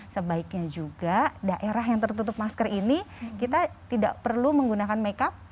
sebaiknya juga daerah yang tertutup masker ini kita tidak perlu menggunakan makeup